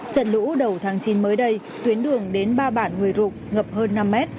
trận lũ đầu tháng chín mới đây tuyến đường đến ba bản người rục ngập hơn năm mét